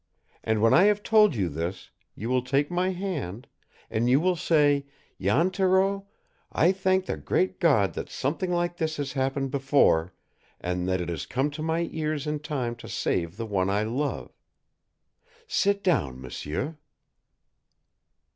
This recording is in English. And when I have told you this you will take my hand, and you will say, 'Jan Thoreau, I thank the Great God that something like this has happened before, and that it has come to my ears in time to save the one I love.' Sit down, m'sieur."